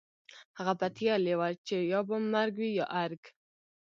هغه پتېيلې وه چې يا به مرګ وي يا ارګ.